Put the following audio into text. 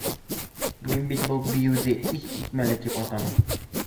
Мин бит был бейеүҙе иҫ китмәле тип атаным.